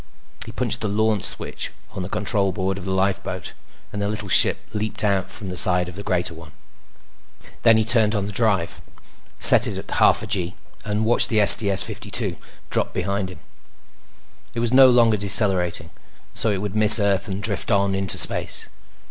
He punched the LAUNCH switch on the control board of the lifeboat, and the little ship leaped out from the side of the greater one. Then he turned on the drive, set it at half a gee, and watched the STS 52 drop behind him. It was no longer decelerating, so it would miss Earth and drift on into space.